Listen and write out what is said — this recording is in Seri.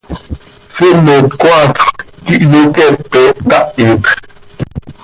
Siimet coaatjö quih hyoqueepe, htahit x.